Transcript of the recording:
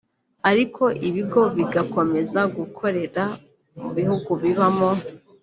ariko ibigo bigakomeza gukorera mu bihugu bibamo